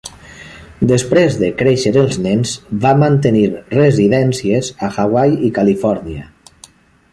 Després de créixer els nens, va mantenir residències a Hawaii i Califòrnia.